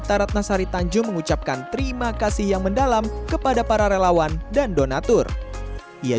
sebagaigehosa perpustaka mumpuni pemasukan ke message saat pengelolaan kan jelek parah aliran di daerah dengan mereka